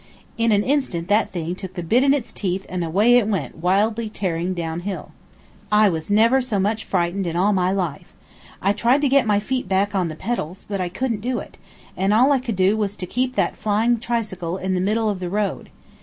In an instant that thing took the bit in its teeth and away it went wildly tearing down hill. I never was so much frightened in all my life. I tried to get my feet back on the pedals, but I couldn't do it, and all I could do was to keep that flying tricycle in the middle of the road.